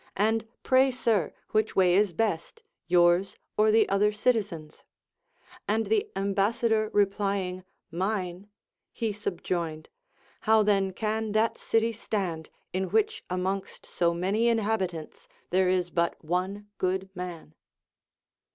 And pray, sir, which Avay is best, yours or the other citizens ? And the ambassador replying. Mine ; he subjoined. How then can that city stand, in which amongst so many inhabitants there is but one good man?